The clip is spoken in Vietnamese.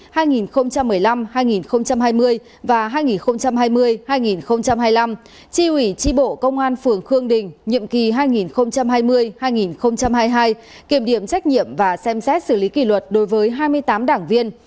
ban thường vụ thành ủy hà nội kết luận kiểm điểm trách nhiệm và xem xét xử lý kỷ luật đối với hai mươi tám đảng viên